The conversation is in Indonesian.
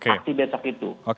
aksi besok itu